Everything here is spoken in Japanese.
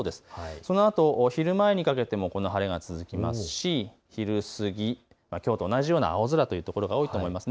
そのあと昼前にかけてもこの晴れが続きますし昼過ぎ、きょうと同じような青空というところが多いと思います。